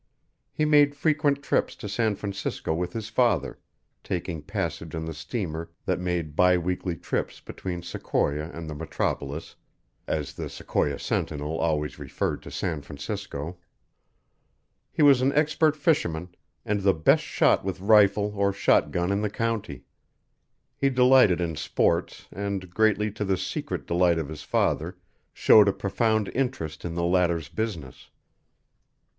He made frequent trips to San Francisco with his father, taking passage on the steamer that made bi weekly trips between Sequoia and the metropolis as The Sequoia Sentinel always referred to San Francisco. He was an expert fisherman, and the best shot with rifle or shot gun in the county; he delighted in sports and, greatly to the secret delight of his father showed a profound interest in the latter's business.